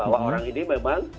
bahwa orang ini memang